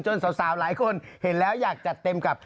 สาวหลายคนเห็นแล้วอยากจัดเต็มกับ